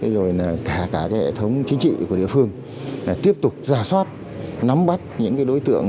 rồi cả hệ thống chính trị của địa phương tiếp tục ra soát nắm bắt những đối tượng